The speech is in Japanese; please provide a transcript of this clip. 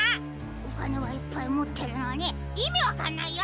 おかねはいっぱいもってるのにいみわかんないよ！